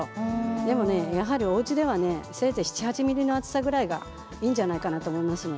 でもね、おうちではせいぜい７、８ｍｍの厚さぐらいがいいんじゃないかなと思います。